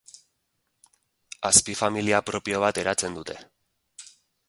Azpifamilia propio bat eratzen dute.